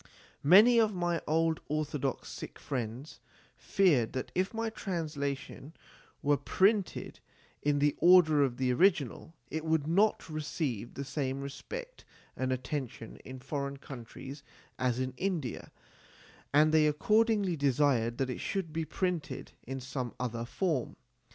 Many of my old orthodox Sikh friends feared that if my translation were printed in the order of the original, it would not receive the same respect and attention in foreign countries as in India, and they accordingly desired that it should be published in some other form.